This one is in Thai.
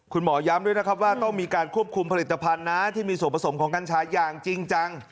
คุณหมอย้ำด้วยนะครับว่าต้องมีการควบคุมผลิตภัณฑ์นะที่มีส่วนผสมของกัญชาอย่างจริงจัง